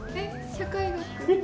社会学。